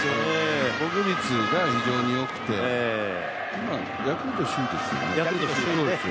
防御率が非常に良くてヤクルト首位ですよね。